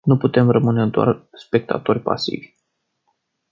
Nu putem rămâne doar spectatori pasivi.